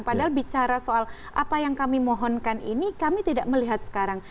padahal bicara soal apa yang kami mohonkan ini kami tidak melihat sekarang